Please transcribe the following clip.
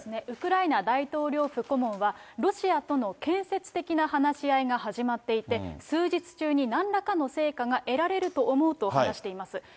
ウクライナ大統領府顧問は、ロシアとの建設的な話し合いが始まっていて、数日中になんらかの成果が得られると思うと話しています。